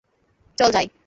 চল, যাই।